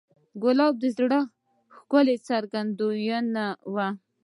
ګلاب د زړه ښکلا څرګندوي.